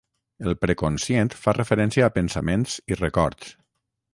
El preconscient fa referència a pensaments i records